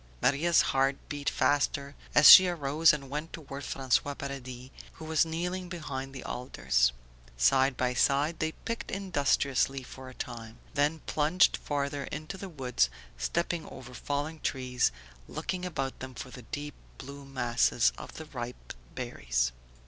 Maria's heart beat faster as she arose and went toward François Paradis who was kneeling behind the alders. Side by side they picked industriously for a time, then plunged farther into the woods, stepping over fallen trees, looking about them for the deep blue masses of the ripe berries.